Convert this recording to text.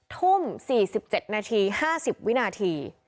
ทุ่ม๔๗นาที๕๐วินาที